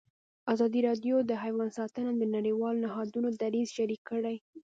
ازادي راډیو د حیوان ساتنه د نړیوالو نهادونو دریځ شریک کړی.